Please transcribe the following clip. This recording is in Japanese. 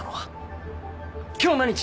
今日何日？